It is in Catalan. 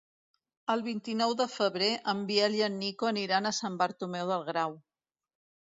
El vint-i-nou de febrer en Biel i en Nico aniran a Sant Bartomeu del Grau.